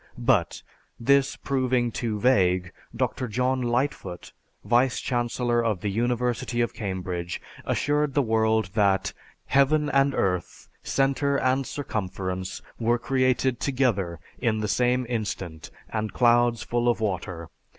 But, this proving too vague, Dr. John Lightfoot, vice chancellor of the University of Cambridge, assured the world that, "Heaven and earth, centre and circumference, were created together, in the same instant, and clouds full of water